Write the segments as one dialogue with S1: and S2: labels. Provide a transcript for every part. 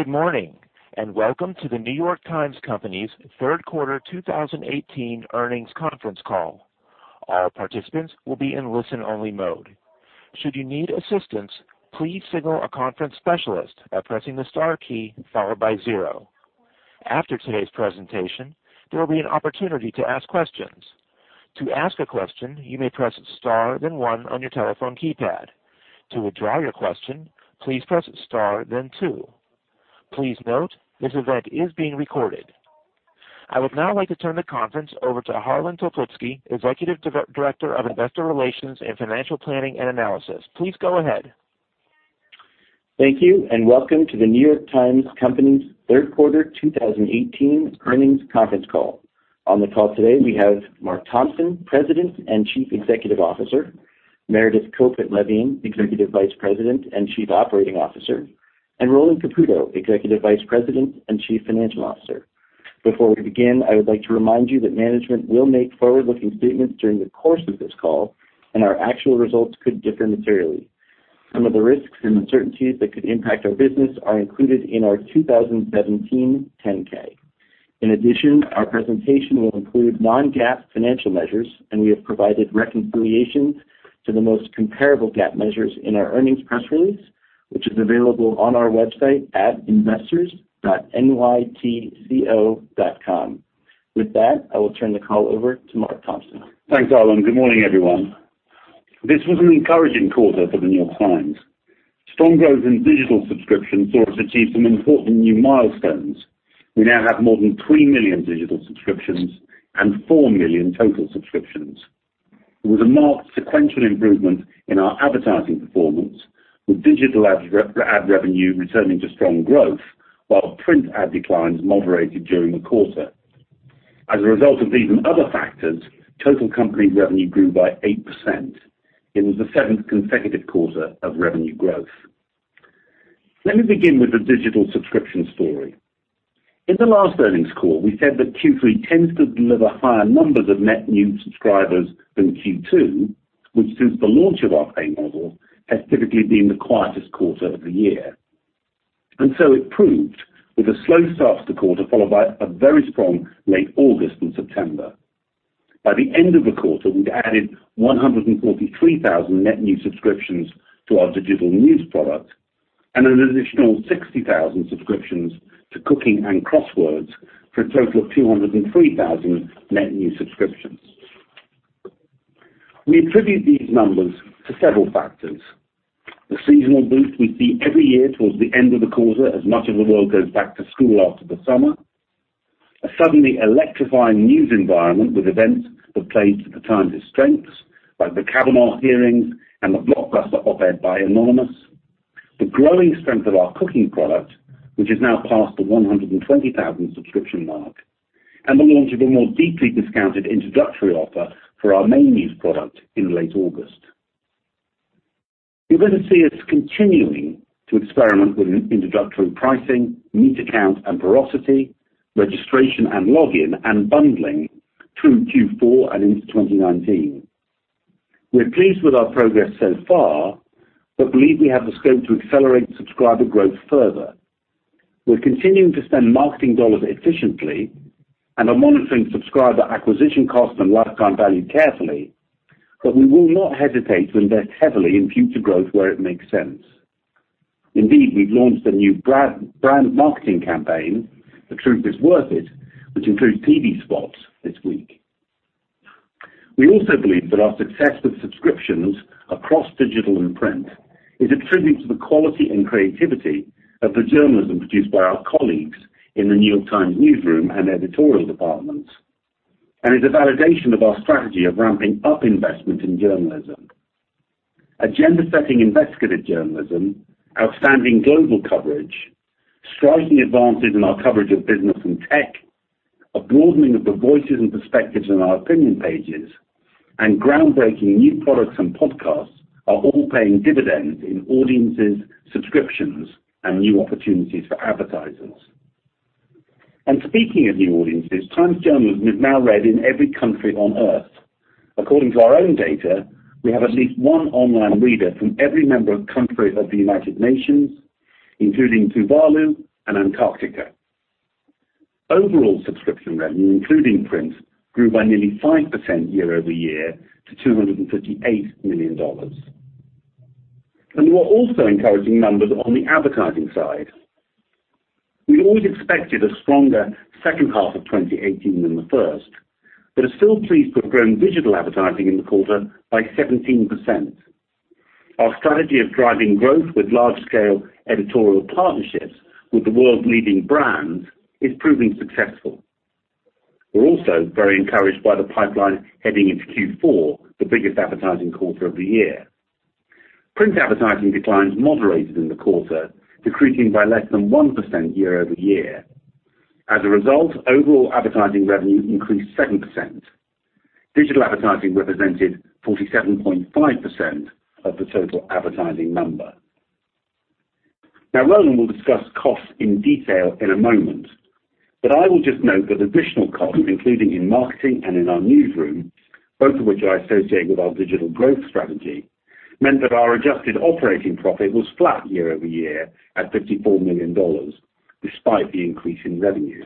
S1: Good morning, and welcome to The New York Times Company's third quarter 2018 earnings conference call. All participants will be in listen-only mode. Should you need assistance, please signal a conference specialist by pressing the star key followed by zero. After today's presentation, there will be an opportunity to ask questions. To ask a question, you may press star then one on your telephone keypad. To withdraw your question, please press star then two. Please note, this event is being recorded. I would now like to turn the conference over to Harlan Toplitzky, Executive Director of Investor Relations and Financial Planning and Analysis. Please go ahead.
S2: Thank you, and welcome to The New York Times Company's third quarter 2018 earnings conference call. On the call today, we have Mark Thompson, President and Chief Executive Officer, Meredith Kopit Levien, Executive Vice President and Chief Operating Officer, and Roland Caputo, Executive Vice President and Chief Financial Officer. Before we begin, I would like to remind you that management will make forward-looking statements during the course of this call, and our actual results could differ materially. Some of the risks and uncertainties that could impact our business are included in our 2017 10-K. In addition, our presentation will include non-GAAP financial measures, and we have provided reconciliations to the most comparable GAAP measures in our earnings press release, which is available on our website at investors.nytco.com. With that, I will turn the call over to Mark Thompson.
S3: Thanks, Harlan. Good morning everyone? This was an encouraging quarter for The New York Times. Strong growth in digital subscriptions saw us achieve some important new milestones. We now have more than three million digital subscriptions and four million total subscriptions. It was a marked sequential improvement in our advertising performance, with digital ad revenue returning to strong growth while print ad declines moderated during the quarter. As a result of these and other factors, total company revenue grew by 8%. It was the seventh consecutive quarter of revenue growth. Let me begin with the digital subscription story. In the last earnings call, we said that Q3 tends to deliver higher numbers of net new subscribers than Q2, which since the launch of our pay model, has typically been the quietest quarter of the year. It proved, with a slow start to the quarter followed by a very strong late August and September. By the end of the quarter, we'd added 143,000 net new subscriptions to our digital news product and an additional 60,000 subscriptions to Cooking and Crosswords, for a total of 203,000 net new subscriptions. We attribute these numbers to several factors. The seasonal boost we see every year towards the end of the quarter as much of the world goes back to school after the summer, a suddenly electrifying news environment with events that play to the Times' strengths, like the Kavanaugh hearings and the blockbuster op-ed by Anonymous, the growing strength of our cooking product, which is now past the 120,000 subscription mark, and the launch of a more deeply discounted introductory offer for our main news product in late August. You're going to see us continuing to experiment with introductory pricing, meter count, and velocity, registration and login, and bundling through Q4 and into 2019. We're pleased with our progress so far but believe we have the scope to accelerate subscriber growth further. We're continuing to spend marketing dollars efficiently and are monitoring subscriber acquisition cost and lifetime value carefully, but we will not hesitate to invest heavily in future growth where it makes sense. Indeed, we've launched a new brand marketing campaign, The Truth Is Worth It, which includes TV spots this week. We also believe that our success with subscriptions across digital and print is a tribute to the quality and creativity of the journalism produced by our colleagues in The New York Times newsroom and editorial departments, and is a validation of our strategy of ramping up investment in journalism. Agenda-setting investigative journalism, outstanding global coverage, striking advances in our coverage of business and tech, a broadening of the voices and perspectives in our opinion pages, and groundbreaking new products and podcasts are all paying dividends in audiences, subscriptions, and new opportunities for advertisers. Speaking of new audiences, Times journalism is now read in every country on Earth. According to our own data, we have at least one online reader from every member country of the United Nations, including Tuvalu and Antarctica. Overall subscription revenue, including print, grew by nearly 5% year-over-year to $258 million. There were also encouraging numbers on the advertising side. We always expected a stronger second half of 2018 than the first but are still pleased to have grown digital advertising in the quarter by 17%. Our strategy of driving growth with large-scale editorial partnerships with the world's leading brands is proving successful. We're also very encouraged by the pipeline heading into Q4, the biggest advertising quarter of the year. Print advertising declines moderated in the quarter, decreasing by less than 1% year-over-year. As a result, overall advertising revenue increased 7%. Digital advertising represented 47.5% of the total advertising number. Now, Roland will discuss costs in detail in a moment. I will just note that additional costs, including in marketing and in our newsroom, both of which I associate with our digital growth strategy, meant that our adjusted operating profit was flat year-over-year at $54 million, despite the increase in revenue.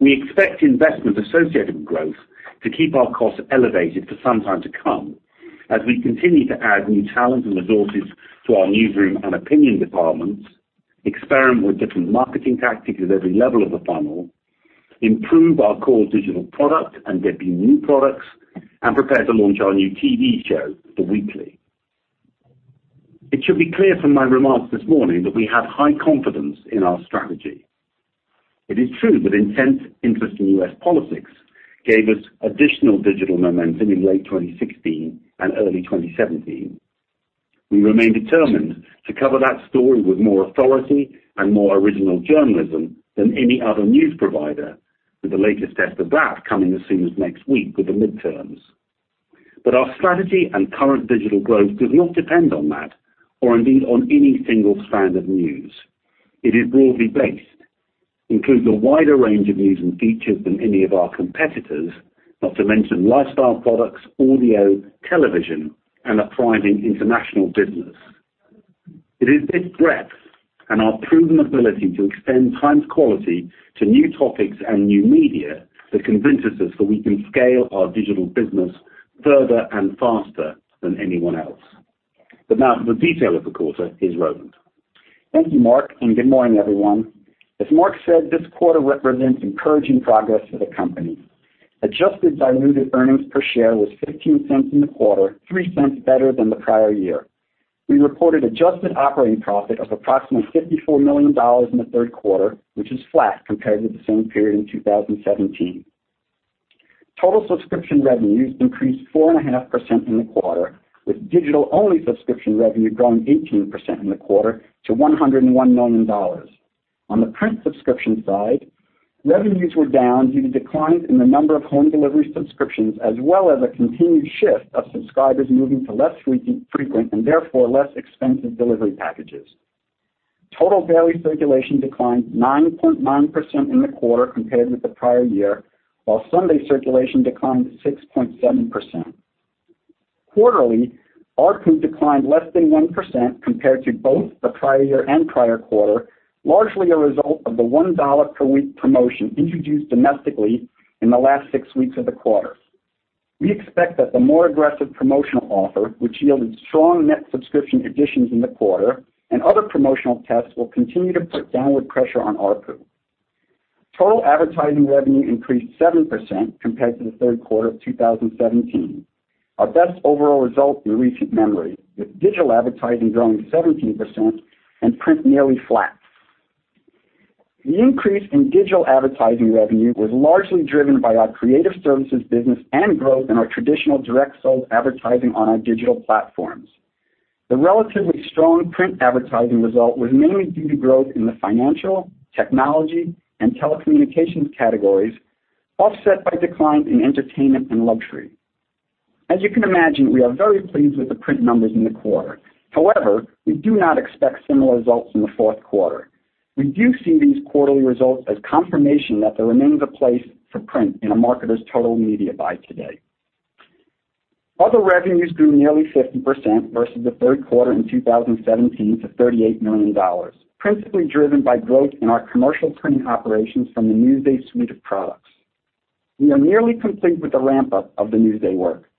S3: We expect investments associated with growth to keep our costs elevated for some time to come as we continue to add new talent and resources to our newsroom and opinion departments, experiment with different marketing tactics at every level of the funnel, improve our core digital product and debut new products, and prepare to launch our new TV show, The Weekly. It should be clear from my remarks this morning that we have high confidence in our strategy. It is true that intense interest in U.S. politics gave us additional digital momentum in late 2016 and early 2017. We remain determined to cover that story with more authority and more original journalism than any other news provider, with the latest test of that coming as soon as next week with the midterms. Our strategy and current digital growth does not depend on that, or indeed on any single strand of news. It is broadly based, includes a wider range of news and features than any of our competitors, not to mention lifestyle products, audio, television, and a thriving international business. It is this breadth and our proven ability to extend Times quality to new topics and new media that convinces us that we can scale our digital business further and faster than anyone else. Now the detail of the quarter is Roland's.
S4: Thank you, Mark, and good morning, everyone. As Mark said, this quarter represents encouraging progress for the company. Adjusted diluted earnings per share was $0.15 in the quarter, $0.03 better than the prior year. We reported adjusted operating profit of approximately $54 million in the third quarter, which is flat compared with the same period in 2017. Total subscription revenues increased 4.5% in the quarter, with digital-only subscription revenue growing 18% in the quarter to $101 million. On the print subscription side, revenues were down due to declines in the number of home delivery subscriptions, as well as a continued shift of subscribers moving to less frequent and therefore less expensive delivery packages. Total daily circulation declined 9.9% in the quarter compared with the prior year, while Sunday circulation declined 6.7%. Quarterly ARPU declined less than 1% compared to both the prior year and prior quarter, largely a result of the $1 per week promotion introduced domestically in the last six weeks of the quarter. We expect that the more aggressive promotional offer, which yielded strong net subscription additions in the quarter, and other promotional tests will continue to put downward pressure on ARPU. Total advertising revenue increased 7% compared to the third quarter of 2017, our best overall result in recent memory, with digital advertising growing 17% and print nearly flat. The increase in digital advertising revenue was largely driven by our creative services business and growth in our traditional direct sold advertising on our digital platforms. The relatively strong print advertising result was mainly due to growth in the financial, technology, and telecommunications categories, offset by decline in entertainment and luxury. As you can imagine, we are very pleased with the print numbers in the quarter. However, we do not expect similar results in the fourth quarter. We do see these quarterly results as confirmation that there remains a place for print in a marketer's total media buy today. Other revenues grew nearly 50% versus the third quarter in 2017 to $38 million, principally driven by growth in our commercial printing operations from the Newsday suite of products. We are nearly complete with the ramp-up of the Newsday work.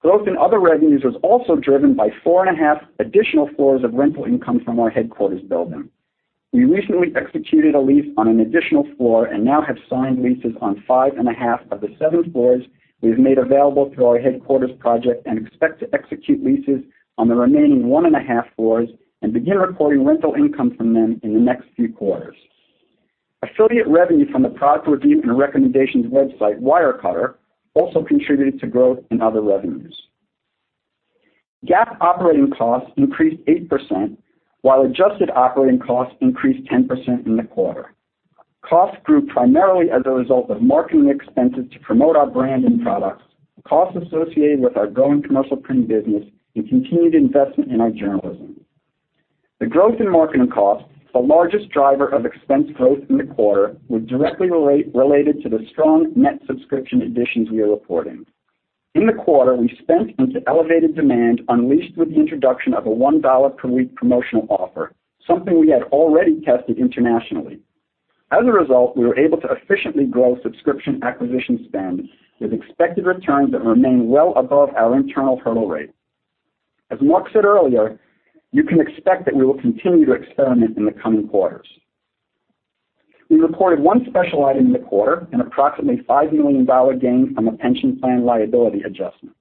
S4: Growth in other revenues was also driven by four and a half additional floors of rental income from our headquarters building. We recently executed a lease on an additional floor and now have signed leases on five and a half of the seven floors we've made available through our headquarters project and expect to execute leases on the remaining one and a half floors and begin recording rental income from them in the next few quarters. Affiliate revenue from the product review and recommendations website Wirecutter also contributed to growth in other revenues. GAAP operating costs increased 8%, while adjusted operating costs increased 10% in the quarter. Costs grew primarily as a result of marketing expenses to promote our brand and products, costs associated with our growing commercial printing business, and continued investment in our journalism. The growth in marketing costs, the largest driver of expense growth in the quarter, was directly related to the strong net subscription additions we are reporting. In the quarter, we leaned into elevated demand unleashed with the introduction of a $1 per week promotional offer, something we had already tested internationally. As a result, we were able to efficiently grow subscription acquisition spend with expected returns that remain well above our internal hurdle rate. As Mark said earlier, you can expect that we will continue to experiment in the coming quarters. We reported one special item in the quarter, an approximately $5 million gain from a pension plan liability adjustment.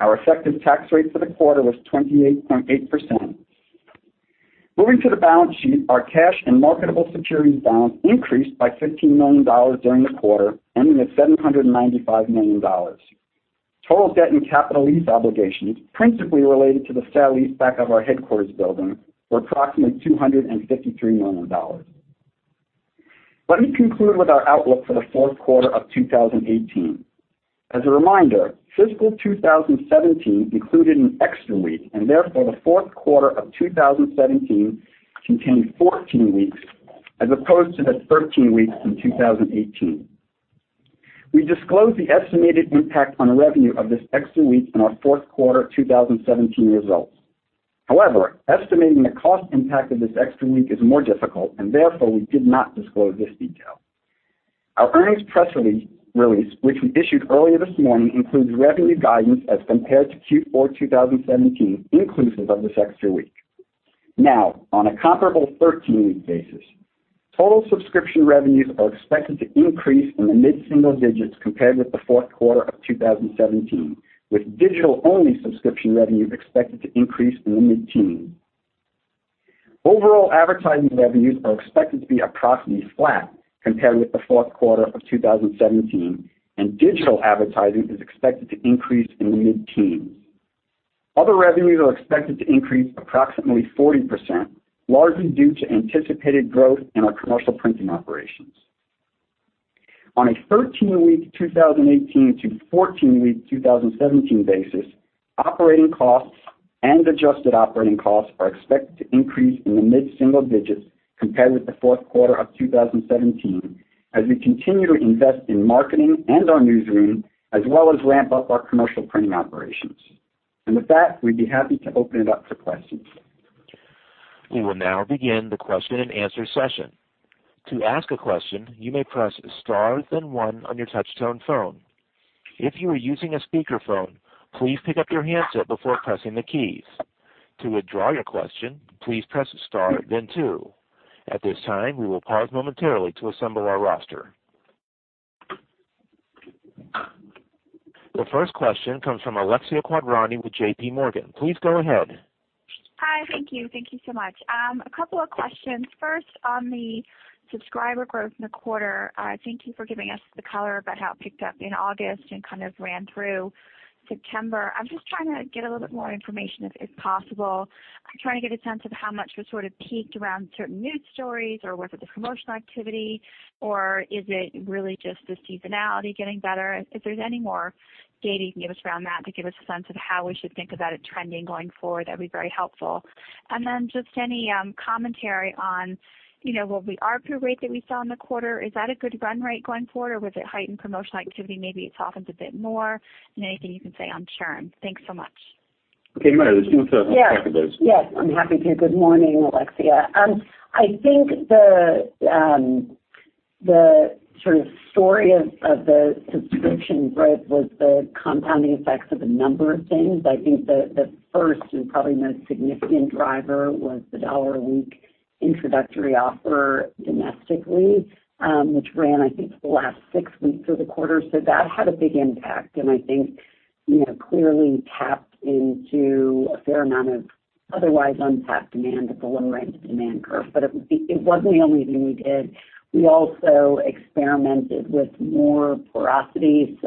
S4: Our effective tax rate for the quarter was 28.8%. Moving to the balance sheet, our cash and marketable securities balance increased by $15 million during the quarter, ending at $795 million. Total debt and capital lease obligations principally related to the sale leaseback of our headquarters building were approximately $253 million. Let me conclude with our outlook for the fourth quarter of 2018. As a reminder, fiscal 2017 included an extra week, and therefore the fourth quarter of 2017 contained 14 weeks as opposed to the 13 weeks in 2018. We disclosed the estimated impact on revenue of this extra week in our fourth quarter 2017 results. However, estimating the cost impact of this extra week is more difficult, and therefore we did not disclose this detail. Our earnings press release, which we issued earlier this morning, includes revenue guidance as compared to Q4 2017, inclusive of this extra week. Now, on a comparable 13-week basis, total subscription revenues are expected to increase in the mid-single digits compared with the fourth quarter of 2017, with digital-only subscription revenue expected to increase in the mid-teens. Overall advertising revenues are expected to be approximately flat compared with the fourth quarter of 2017, and digital advertising is expected to increase in the mid-teens. Other revenues are expected to increase approximately 40%, largely due to anticipated growth in our commercial printing operations. On a 13-week 2018 to 14-week 2017 basis, operating costs and adjusted operating costs are expected to increase in the mid-single digits compared with the fourth quarter of 2017, as we continue to invest in marketing and our newsroom, as well as ramp up our commercial printing operations. With that, we'd be happy to open it up to questions.
S1: We will now begin the question and answer session. To ask a question, you may press star then one on your touch-tone phone. If you are using a speakerphone, please pick up your handset before pressing the keys. To withdraw your question, please press star then two. At this time, we will pause momentarily to assemble our roster. The first question comes from Alexia Quadrani with JPMorgan, please go ahead.
S5: Hi. Thank you. Thank you so much. A couple of questions. First, on the subscriber growth in the quarter. Thank you for giving us the color about how it picked up in August and ran through September. I'm just trying to get a little bit more information, if possible. I'm trying to get a sense of how much was sort of peaked around certain news stories, or was it the promotional activity, or is it really just the seasonality getting better? If there's any more data you can give us around that to give us a sense of how we should think about it trending going forward, that'd be very helpful. Just any commentary on the ARPU rate that we saw in the quarter. Is that a good run rate going forward, or was it heightened promotional activity, maybe it softens a bit more, and anything you can say on churn? Thanks so much.
S3: Okay, Meredith, do you want to take a crack at those?
S6: Yes. I'm happy to. Good morning Alexia? I think the story of the subscription growth was the compounding effects of a number of things. I think the first and probably most significant driver was the $1 a week introductory offer domestically, which ran, I think, for the last six weeks of the quarter. That had a big impact, and I think clearly tapped into a fair amount of otherwise untapped demand at the lower end of demand curve. It wasn't the only thing we did. We also experimented with more porosity.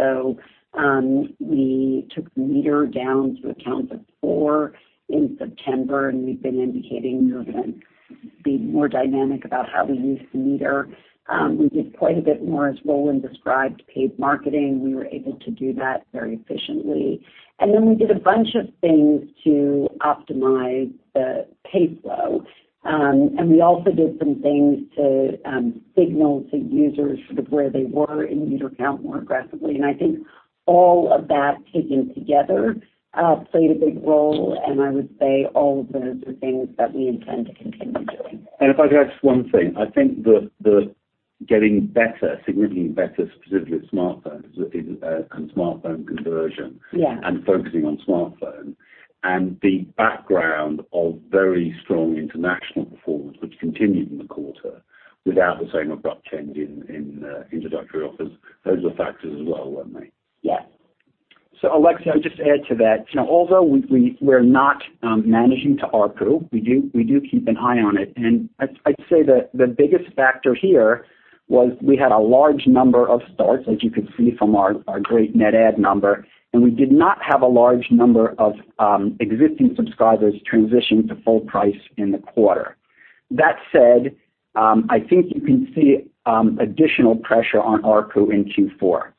S6: We took the meter down to a count of four in September, and we've been indicating we were going to be more dynamic about how we use the meter. We did quite a bit more, as Roland described, paid marketing. We were able to do that very efficiently. We did a bunch of things to optimize the pay flow. We also did some things to signal to users where they were in user count more aggressively. I think all of that taken together played a big role, and I would say all of those are things that we intend to continue doing.
S3: If I could add just one thing. I think that getting better, significantly better, specifically with smartphone and smartphone conversion.
S6: Yeah
S3: Focusing on smartphone, and the background of very strong international performance, which continued in the quarter without the same abrupt change in introductory offers, those are factors as well, weren't they?
S6: Yeah.
S4: Alexia, just to add to that, although we're not managing to ARPU, we do keep an eye on it. I'd say the biggest factor here was we had a large number of starts, as you could see from our great net add number, and we did not have a large number of existing subscribers transition to full price in the quarter. That said, I think you can see additional pressure on ARPU in Q4.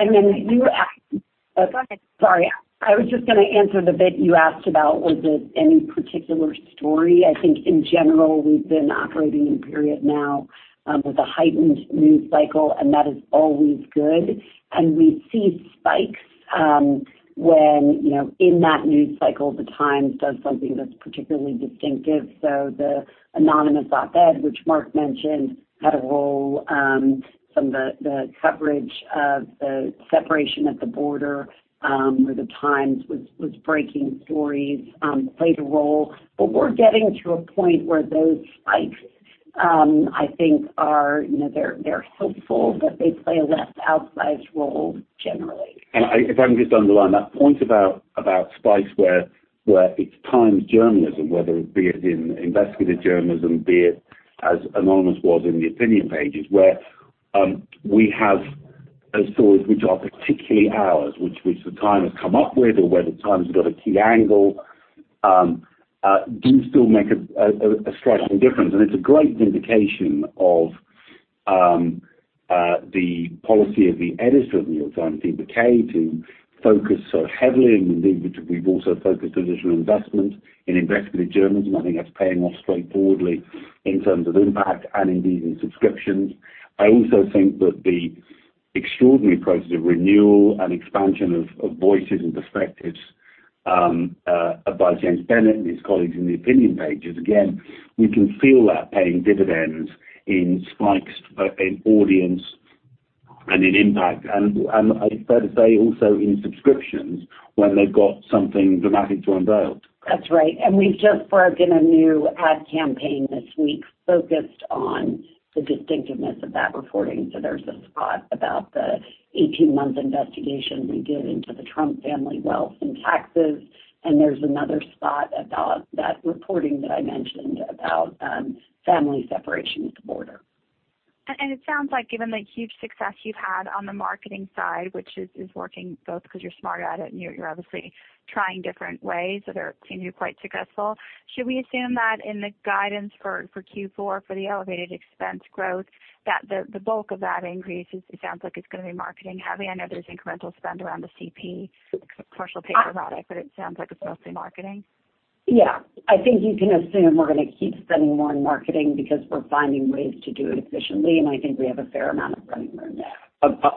S6: You asked.
S5: Go ahead.
S6: Sorry. I was just going to answer the bit you asked about, was it any particular story? I think in general, we've been operating in a period now with a heightened news cycle, and that is always good. We see spikes when in that news cycle, the Times does something that's particularly distinctive. The Anonymous op-ed, which Mark mentioned, had a role. Some of the coverage of the separation at the border, where the Times was breaking stories, played a role. We're getting to a point where those spikes, I think they're helpful, but they play a less outsized role generally.
S3: If I can just underline that point about spikes where it's Times journalism, whether it be in investigative journalism, be it as Anonymous was in the opinion pages, where we have stories which are particularly ours, which the Times has come up with, or where the Times has got a key angle do still make a striking difference. It's a great vindication of the policy of the Editor of The New York Times, Dean Baquet, to focus so heavily, and indeed, which we've also focused additional investment in investigative journalism. I think that's paying off straightforwardly in terms of impact and indeed, in subscriptions. I also think that the extraordinary process of renewal and expansion of voices and perspectives, by James Bennet and his colleagues in the opinion pages, again, we can feel that paying dividends in spikes, in audience, and in impact. I'd be fair to say also in subscriptions when they've got something dramatic to unveil.
S6: That's right. We've just broken a new ad campaign this week focused on the distinctiveness of that reporting. There's a spot about the 18-month investigation we did into the Trump family wealth and taxes, and there's another spot about that reporting that I mentioned about family separation at the border.
S5: It sounds like given the huge success you've had on the marketing side, which is working both because you're smart at it and you're obviously trying different ways that seem to be quite successful. Should we assume that in the guidance for Q4, for the elevated expense growth, that the bulk of that increase, it sounds like it's going to be marketing heavy? I know there's incremental spend around the CP, commercial paper product, but it sounds like it's mostly marketing.
S6: Yeah. I think you can assume we're going to keep spending more on marketing because we're finding ways to do it efficiently, and I think we have a fair amount of running room there.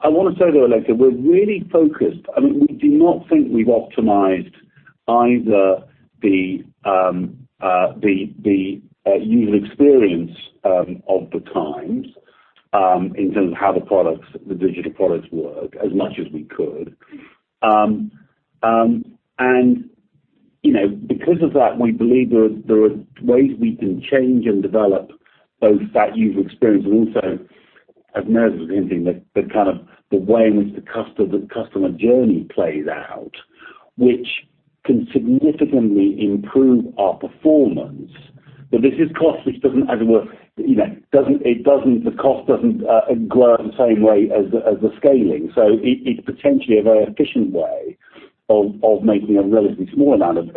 S3: I want to say, though, Alexia, we're really focused. We do not think we've optimized either the user experience of The Times, in terms of how the products, the digital products work as much as we could. Because of that, we believe there are ways we can change and develop both that user experience and also as onerous as anything that the way in which the customer journey plays out, which can significantly improve our performance. This is cost, which doesn't, as it were, the cost doesn't grow the same way as the scaling. It's potentially a very efficient way of making a relatively small amount of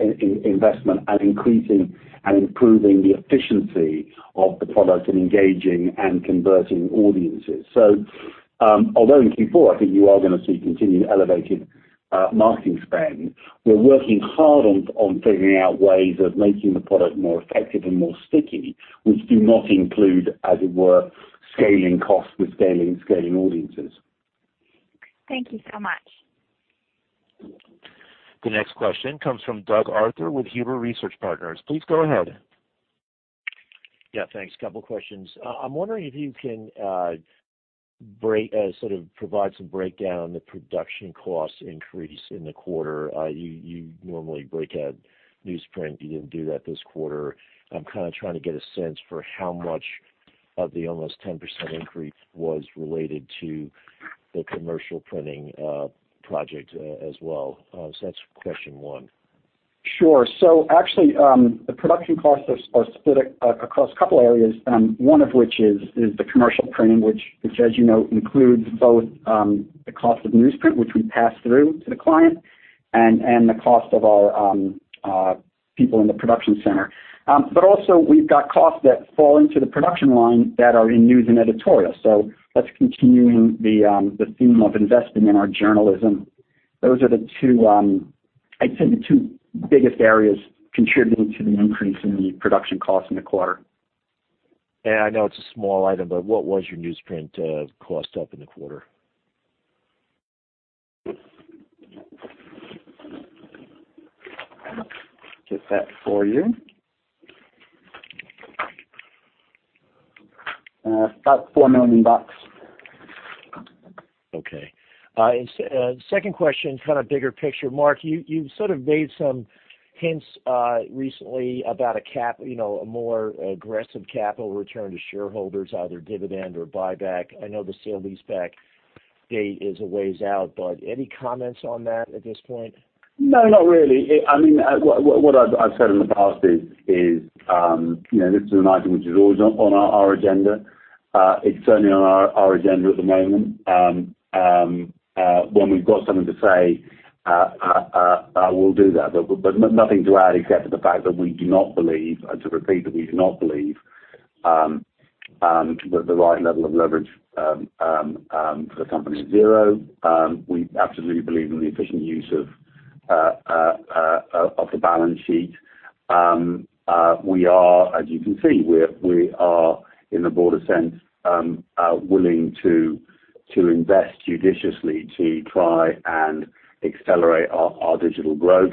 S3: investment and increasing and improving the efficiency of the product and engaging and converting audiences. Although in Q4, I think you are going to see continued elevated marketing spend, we're working hard on figuring out ways of making the product more effective and more sticky, which do not include, as it were, scaling costs with scaling audiences.
S5: Thank you so much.
S1: The next question comes from Doug Arthur with Huber Research Partners, please go ahead.
S7: Yeah, thanks. A couple of questions. I'm wondering if you can sort of provide some breakdown, the production cost increase in the quarter. You normally break out newsprint. You didn't do that this quarter. I'm kind of trying to get a sense for how much of the almost 10% increase was related to the commercial printing project as well. That's question one.
S4: Sure. Actually, the production costs are split across a couple areas, one of which is the commercial printing, which as you know includes both the cost of newsprint, which we pass through to the client, and the cost of our people in the production center. Also we've got costs that fall into the production line that are in news and editorial. That's continuing the theme of investing in our journalism. Those are the two, I'd say the two biggest areas contributing to the increase in the production cost in the quarter.
S7: I know it's a small item, but what was your newsprint cost up in the quarter?
S4: Get that for you, about $4 million.
S7: Okay. Second question, kind of bigger picture, Mark, you've sort of made some hints recently about a more aggressive capital return to shareholders, either dividend or buyback. I know the sale-leaseback deal is a ways out, but any comments on that at this point?
S3: No, not really. What I've said in the past is, this is an item which is always on our agenda. It's certainly on our agenda at the moment. When we've got something to say, I will do that. But nothing to add except for the fact that we do not believe, and to repeat that we do not believe, that the right level of leverage for the company is zero. We absolutely believe in the efficient use of the balance sheet. We are, as you can see, in a broader sense, willing to invest judiciously to try and accelerate our digital growth.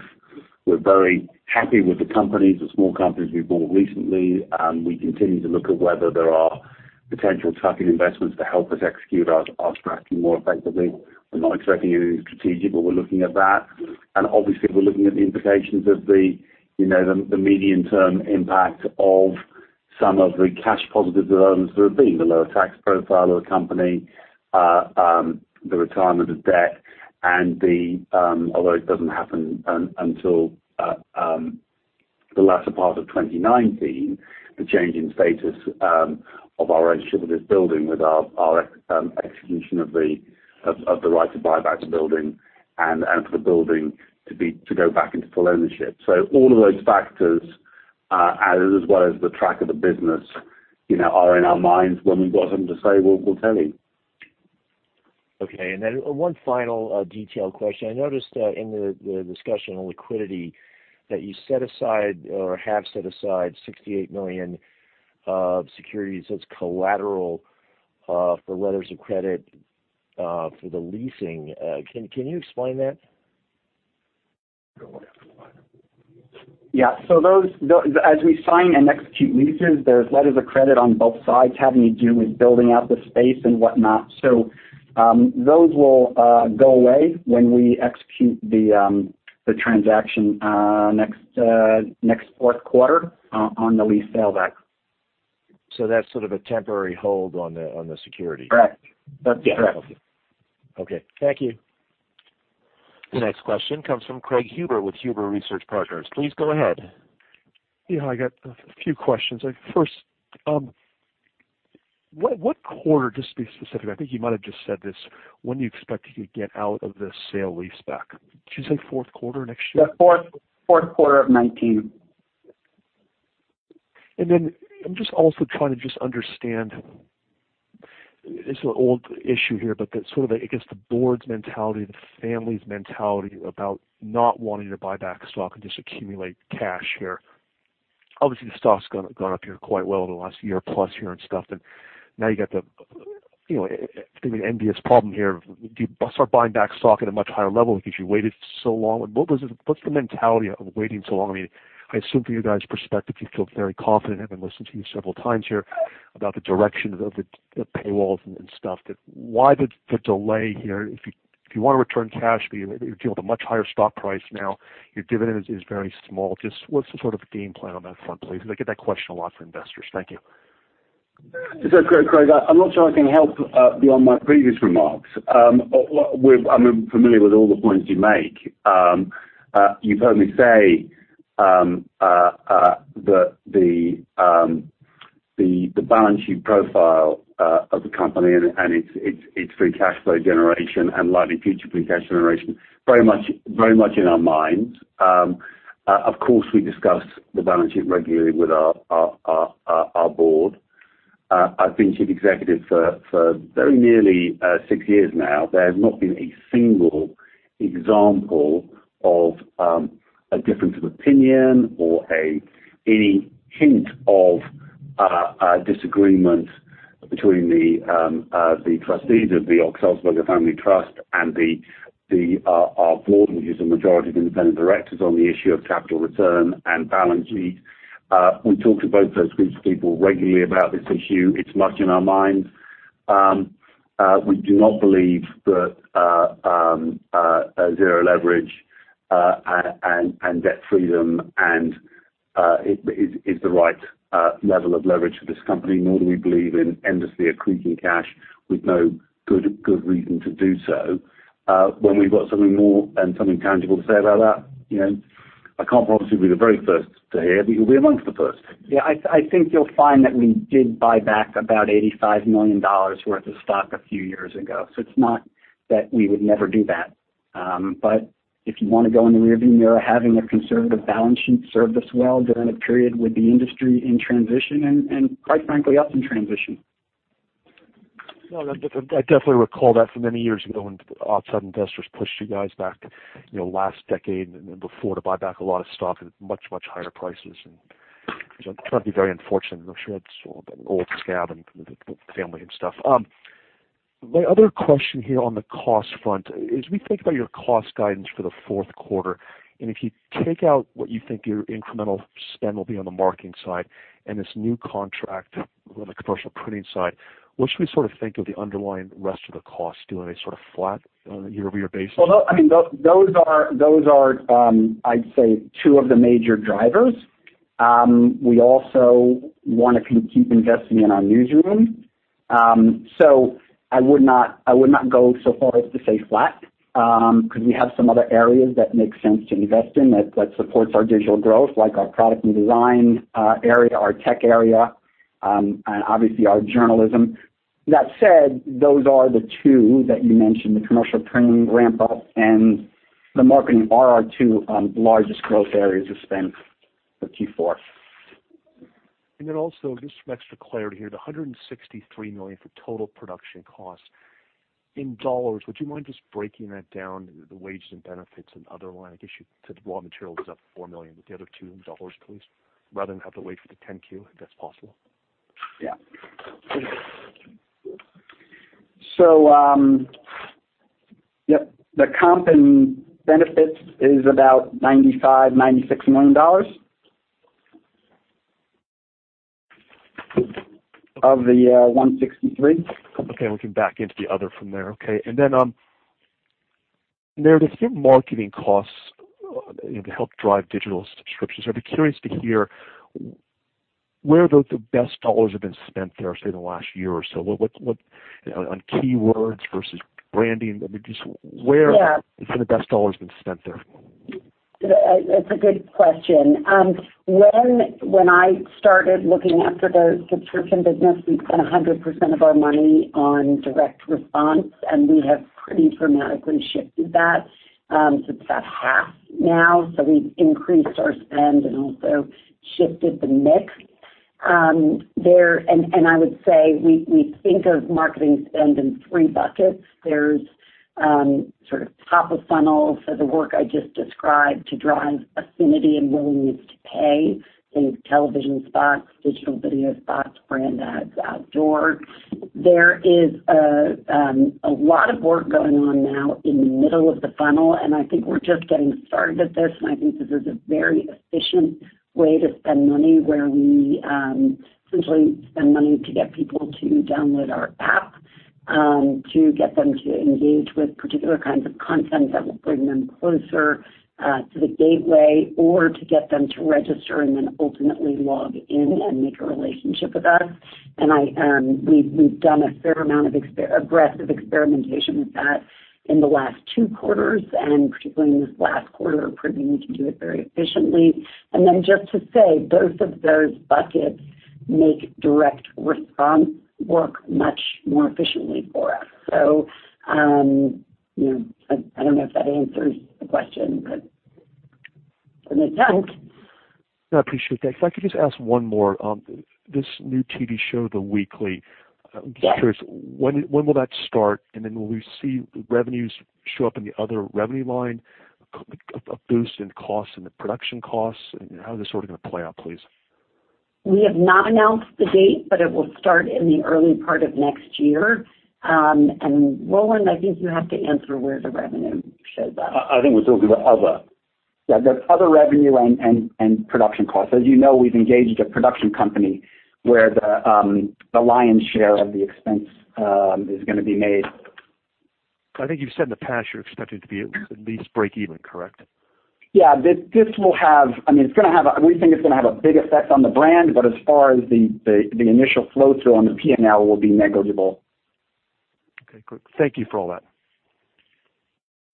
S3: We're very happy with the companies, the small companies we bought recently, and we continue to look at whether there are potential tuck-in investments to help us execute our strategy more effectively. We're not expecting anything strategic, but we're looking at that. Obviously, we're looking at the implications of the medium-term impact of some of the cash positive developments there have been, the lower tax profile of the company, the retirement of debt, and although it doesn't happen until the latter part of 2019, the change in status of our ownership of this building with our execution of the right to buy back the building, and for the building to go back into full ownership. All of those factors, as well as the track of the business, are in our minds. When we've got something to say, we'll tell you.
S7: Okay. One final detailed question. I noticed that in the discussion on liquidity that you set aside or have set aside $68 million of securities as collateral for letters of credit for the leasing. Can you explain that?
S3: Go after it.
S4: Yeah. As we sign and execute leases, there's letters of credit on both sides having to do with building out the space and whatnot. Those will go away when we execute the transaction next fourth quarter on the lease sale back.
S7: That's sort of a temporary hold on the security.
S4: Correct. That's correct.
S7: Yeah. Okay. Thank you.
S1: The next question comes from Craig Huber with Huber Research Partners, please go ahead.
S8: Yeah, I got a few questions. First, what quarter, just to be specific, I think you might have just said this, when do you expect to get out of the sale lease back? Did you say fourth quarter next year?
S4: The fourth quarter of 2019.
S8: I'm just also trying to just understand, it's an old issue here, but that sort of, I guess the board's mentality, the family's mentality about not wanting to buy back stock and just accumulate cash here. Obviously, the stock's gone up here quite well in the last year plus here and stuff, and now you got the, seemingly envious problem here of do you start buying back stock at a much higher level because you waited so long? What's the mentality of waiting so long? I assume from you guys' perspective, you feel very confident, having listened to you several times here about the direction of the paywalls and stuff. Why the delay here? If you want to return cash, but you're dealing with a much higher stock price now, your dividend is very small. Just what's the sort of game plan on that front, please? Because I get that question a lot from investors. Thank you.
S3: Craig, I'm not sure I can help beyond my previous remarks. I'm familiar with all the points you make. You've heard me say that the balance sheet profile of the company and its free cash flow generation and likely future free cash generation, very much in our minds. Of course, we discuss the balance sheet regularly with our board. I've been Chief Executive for very nearly six years now. There has not been a single example of a difference of opinion or any hint of disagreement between the trustees of the Ochs-Sulzberger Family Trust and our board, which is a majority of independent directors on the issue of capital return and balance sheet. We talk to both those groups of people regularly about this issue. It's much in our minds. We do not believe that zero leverage and debt freedom is the right level of leverage for this company, nor do we believe in endlessly accruing cash with no good reason to do so. When we've got something more and something tangible to say about that, I can't possibly be the very first to hear, but you'll be among the first.
S4: Yeah, I think you'll find that we did buy back about $85 million worth of stock a few years ago. It's not that we would never do that. If you want to go in the rear-view mirror, having a conservative balance sheet served us well during a period with the industry in transition, and quite frankly, us in transition.
S8: No, I definitely recall that from many years ago when outside investors pushed you guys back, last decade and then before to buy back a lot of stock at much, much higher prices. That was very unfortunate, and I'm sure that's an old scab and the family and stuff. My other question here on the cost front is, when we think about your cost guidance for the fourth quarter, and if you take out what you think your incremental spend will be on the marketing side and this new contract on the commercial printing side, what should we sort of think of the underlying rest of the cost doing on a sort of flat year-over-year basis?
S4: Well, those are, I'd say two of the major drivers. We also want to keep investing in our newsroom. I would not go so far as to say flat, because we have some other areas that make sense to invest in that supports our digital growth, like our product and design area, our tech area, and obviously our journalism. That said, those are the two that you mentioned, the commercial printing ramp up and the marketing are our two largest growth areas of spend for Q4.
S8: Also, just some extra clarity here, the $163 million for total production costs. In dollars, would you mind just breaking that down, the wages and benefits and other line? I guess you said the raw materials was up $4 million, but the other two in dollars, please, rather than have to wait for the 10-Q, if that's possible.
S4: Yeah. Yep, the comp and benefits is about $95 million-$96 million of the $163 million.
S8: Okay, we can back into the other from there. Okay. Then, there are certain marketing costs to help drive digital subscriptions. I'd be curious to hear where the best dollars have been spent there, say, in the last year or so, on keywords versus branding. I mean, just where.
S6: Yeah
S8: Some of the best dollars been spent there?
S6: That's a good question. When I started looking after the subscription business, we spent 100% of our money on direct response, and we have pretty dramatically shifted that to about half now. We've increased our spend and also shifted the mix. I would say, we think of marketing spend in three buckets. There's sort of top of funnel, so the work I just described to drive affinity and willingness to pay in television spots, digital video spots, brand ads, outdoor. There is a lot of work going on now in the middle of the funnel, and I think we're just getting started with this, and I think this is a very efficient way to spend money, where we essentially spend money to get people to download our app. To get them to engage with particular kinds of content that will bring them closer to the gateway or to get them to register and then ultimately log in and make a relationship with us. We've done a fair amount of aggressive experimentation with that in the last two quarters, and particularly in this last quarter, proving we can do it very efficiently. Just to say, both of those buckets make direct response work much more efficiently for us. I don't know if that answers the question, but an attempt.
S8: No, I appreciate that. If I could just ask one more. This new TV show, The Weekly-
S6: Yes
S8: I'm just curious, when will that start? Then will we see revenues show up in the other revenue line, a boost in costs, in the production costs? How is this sort of going to play out, please?
S6: We have not announced the date, but it will start in the early part of next year. Roland, I think you have to answer where the revenue shows up.
S3: I think it goes into other.
S4: Yeah. There's other revenue and production costs. As you know, we've engaged a production company where the lion's share of the expense is going to be made.
S8: I think you've said in the past you're expecting to be at least break even, correct?
S4: Yeah. We think it's going to have a big effect on the brand, but as far as the initial flow-through on the P&L will be negligible.
S8: Okay, great. Thank you for all that.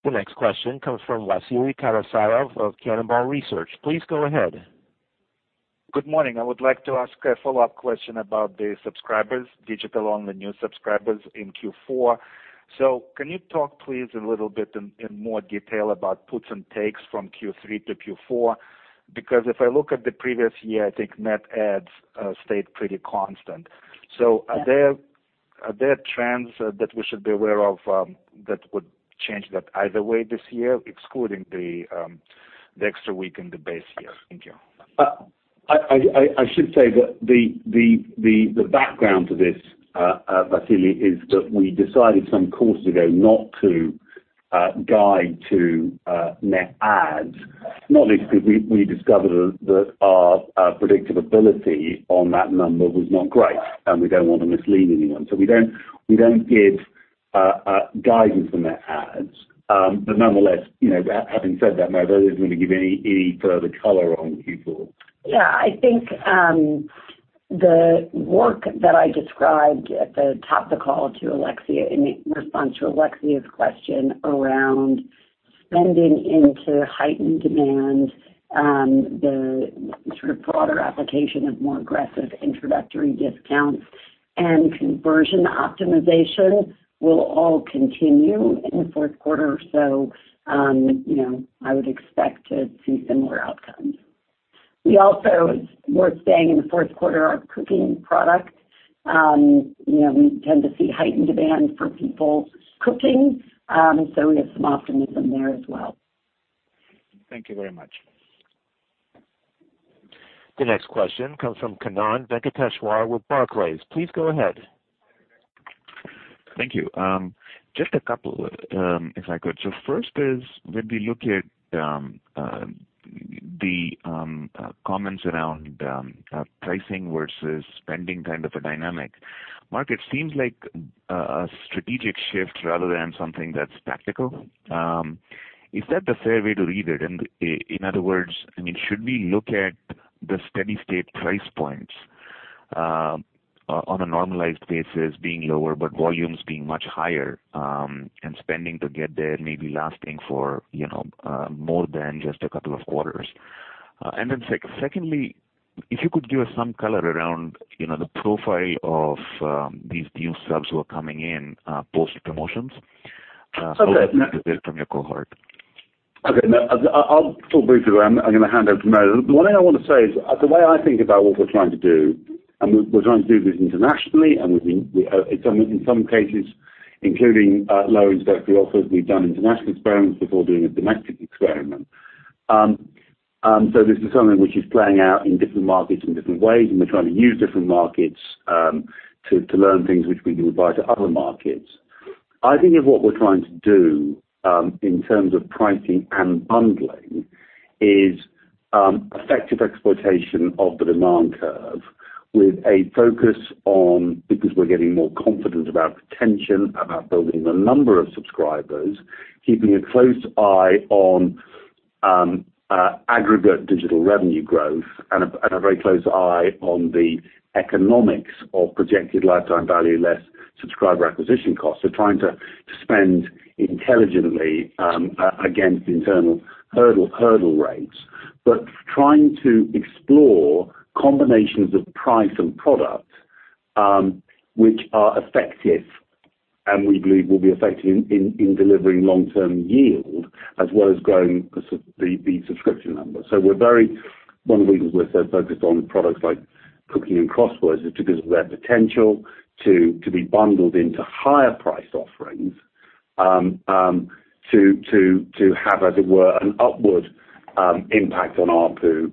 S1: The next question comes from Vasily Karasyov of Cannonball Research, please go ahead.
S9: Good morning. I would like to ask a follow-up question about the subscribers, digital-only new subscribers in Q4. Can you talk please, a little bit in more detail about puts and takes from Q3 to Q4? Because if I look at the previous year, I think net adds stayed pretty constant. So are there trends that we should be aware of that would change that either way this year, excluding the extra week in the base year? Thank you.
S3: I should say that the background to this, Vasily, is that we decided some time ago not to guide to net adds, not least because we discovered that our predictability on that number was not great, and we don't want to mislead anyone. We don't give guidance on net adds. Nonetheless, having said that, Meredith is going to give any further color on Q4.
S6: Yeah, I think the work that I described at the top of the call to Alexia in response to Alexia's question around spending into heightened demand, the sort of broader application of more aggressive introductory discounts and conversion optimization will all continue in the fourth quarter. I would expect to see similar outcomes. We also, it's worth saying in the fourth quarter, our cooking product, we tend to see heightened demand for people cooking. We have some optimism there as well.
S9: Thank you very much.
S1: The next question comes from Kannan Venkateshwar with Barclays, please go ahead.
S10: Thank you. Just a couple, if I could. First is, when we look at the comments around pricing versus spending, kind of a dynamic. Mark, it seems like a strategic shift rather than something that's tactical. Is that the fair way to read it? In other words, should we look at the steady state price points on a normalized basis being lower, but volumes being much higher, and spending to get there maybe lasting for more than just a couple of quarters? Secondly, if you could give us some color around the profile of these new subs who are coming in post promotions-
S3: Okay.
S10: How does it differ from your cohort?
S3: Okay. No, I'll talk briefly. I'm going to hand over to Meredith. The one thing I want to say is, the way I think about what we're trying to do, and we're trying to do this internationally, and in some cases, including low introductory offers, we've done international experiments before doing a domestic experiment. This is something which is playing out in different markets in different ways, and we're trying to use different markets to learn things which we can apply to other markets. I think of what we're trying to do, in terms of pricing and bundling, is effective exploitation of the demand curve with a focus on, because we're getting more confident about retention, about building the number of subscribers, keeping a close eye on aggregate digital revenue growth and a very close eye on the economics of projected lifetime value less subscriber acquisition costs. Trying to spend intelligently against internal hurdle rates, but trying to explore combinations of price and product, which are effective and we believe will be effective in delivering long-term yield as well as growing the subscription numbers. One of the reasons we're so focused on products like cooking and crosswords is because of their potential to be bundled into higher priced offerings, to have, as it were, an upward impact on ARPU,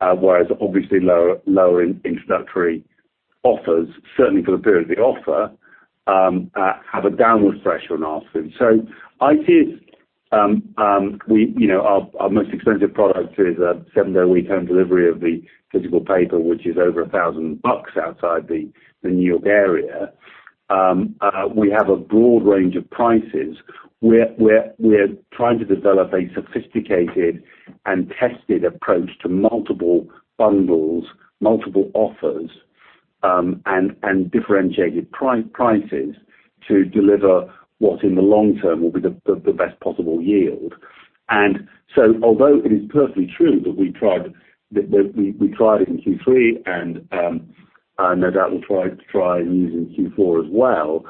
S3: whereas obviously lower introductory offers, certainly for the period of the offer, have a downward pressure on ARPU. Our most expensive product is a seven-day a week home delivery of the physical paper, which is over $1,000 outside the New York area. We have a broad range of prices. We're trying to develop a sophisticated and tested approach to multiple bundles, multiple offers, and differentiated prices to deliver what in the long term will be the best possible yield. Although it is perfectly true that we tried it in Q3 and no doubt we'll try news in Q4 as well,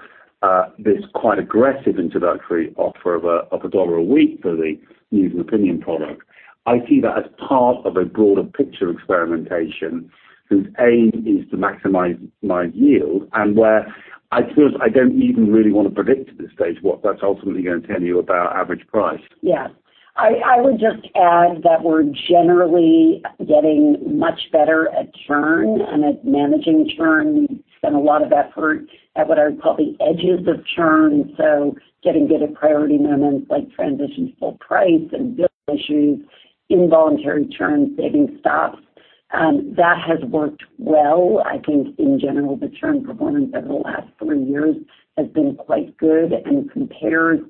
S3: this quite aggressive introductory offer of $1 a week for the news and opinion product, I see that as part of a broader picture experimentation whose aim is to maximize yield and where I don't even really want to predict at this stage what that's ultimately going to tell you about average price.
S6: Yeah. I would just add that we're generally getting much better at churn and at managing churn. We've spent a lot of effort at what I would call the edges of churn. Getting good at priority moments like transition to full price and bill issues, involuntary churn, saving stops. That has worked well. I think in general, the churn performance over the last three years has been quite good and compares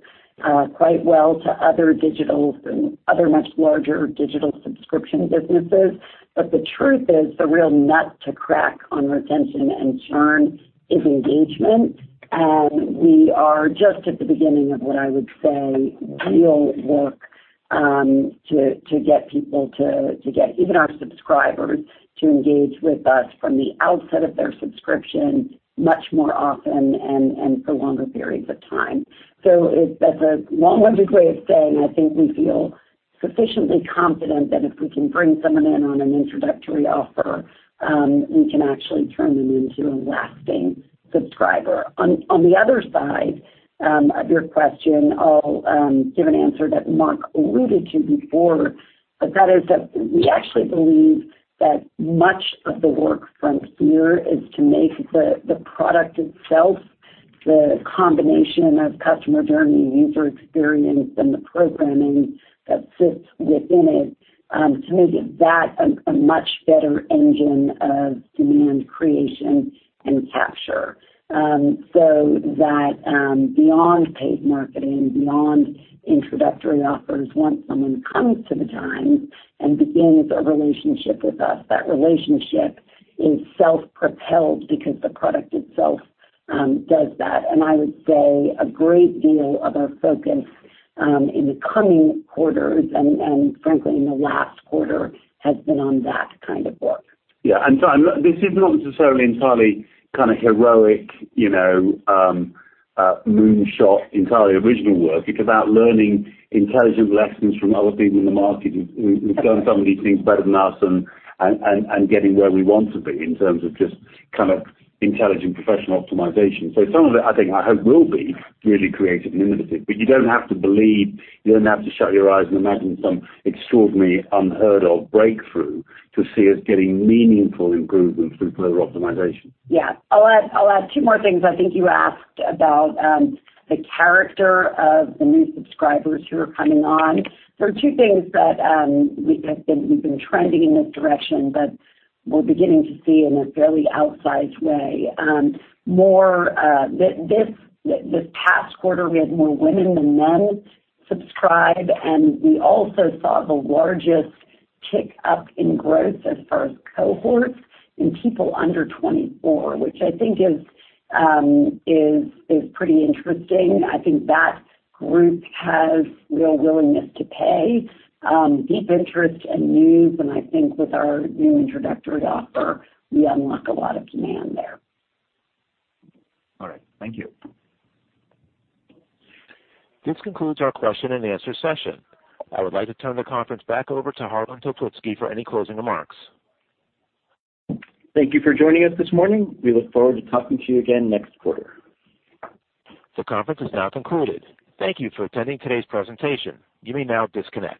S6: quite well to other digitals and other much larger digital subscription businesses. The truth is, the real nut to crack on retention and churn is engagement. We are just at the beginning of what I would say real work to get people, even our subscribers, to engage with us from the outset of their subscription much more often and for longer periods of time. That's a long-winded way of saying I think we feel sufficiently confident that if we can bring someone in on an introductory offer, we can actually turn them into a lasting subscriber. On the other side of your question, I'll give an answer that Mark alluded to before, that is that we actually believe that much of the work from here is to make the product itself, the combination of customer journey, user experience, and the programming that sits within it, to make that a much better engine of demand creation and capture. That beyond paid marketing, beyond introductory offers, once someone comes to the Times and begins a relationship with us, that relationship is self-propelled because the product itself does that. I would say a great deal of our focus in the coming quarters and frankly in the last quarter, has been on that kind of work.
S3: Yeah. This is not necessarily entirely kind of heroic moonshot, entirely original work. It's about learning intelligent lessons from other people in the market who've done some of these things better than us and getting where we want to be in terms of just kind of intelligent professional optimization. Some of it I think I hope will be really creative and innovative, but you don't have to believe, you don't have to shut your eyes and imagine some extraordinarily unheard-of breakthrough to see us getting meaningful improvements through further optimization.
S6: Yeah. I'll add two more things. I think you asked about the character of the new subscribers who are coming on. There are two things that we've been trending in this direction, but we're beginning to see in a fairly outsized way. This past quarter, we had more women than men subscribe, and we also saw the largest tick up in growth as far as cohorts in people under 24, which I think is pretty interesting. I think that group has real willingness to pay, deep interest in news, and I think with our new introductory offer, we unlock a lot of demand there.
S10: All right. Thank you.
S1: This concludes our question-and-answer session. I would like to turn the conference back over to Harlan Toplitzky for any closing remarks.
S2: Thank you for joining us this morning. We look forward to talking to you again next quarter.
S1: The conference is now concluded. Thank you for attending today's presentation, you may now disconnect.